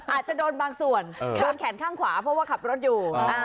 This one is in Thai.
อาจจะโดนบางส่วนโดนแขนข้างขวาเพราะว่าขับรถอยู่